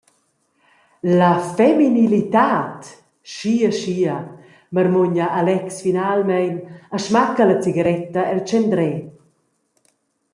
«La feminilitad, schia schia …» marmugna Alex finalmein e smacca la cigaretta el tschendrer.